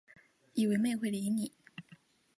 以为妹会理你